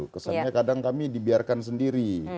kesannya kadang kami dibiarkan sendiri